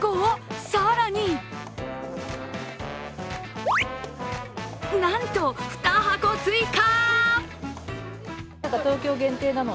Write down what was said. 更になんと２箱追加！